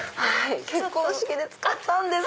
結婚式で使ったんです！